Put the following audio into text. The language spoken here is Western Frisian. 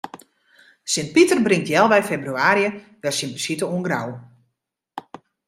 Sint Piter bringt healwei febrewaarje wer syn besite oan Grou.